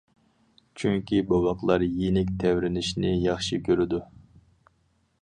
چۈنكى بوۋاقلار يېنىك تەۋرىنىشنى ياخشى كۆرىدۇ.